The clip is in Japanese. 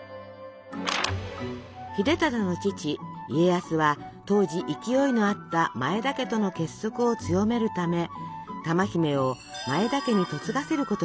秀忠の父家康は当時勢いのあった前田家との結束を強めるため珠姫を前田家に嫁がせることにしたのです。